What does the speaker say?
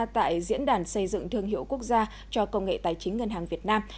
tại diễn đàn xây dựng thương hiệu quốc gia cho công nghệ tài chính ngân hàng việt nam